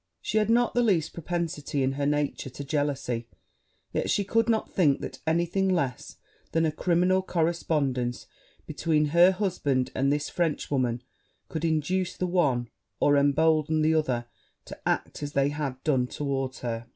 She had not the least propensity in her nature to jealousy; yet she could not think that any thing less than a criminal correspondence between her husband and this Frenchwoman, could induce the one, or embolden the other, to act as they had done towards her.